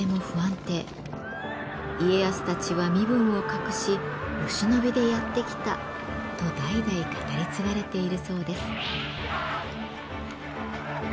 「家康たちは身分を隠しお忍びでやって来た」と代々語り継がれているそうです。